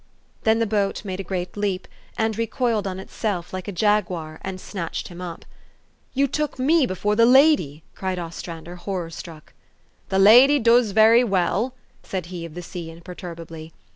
" Then the boat made a great leap, and recoiled on itself, like a jaguar, and snatched him up. '' You took me before the lady !'' cried Ostran der, horror struck. " The lady doos very well !" said he of the sea imperturbably.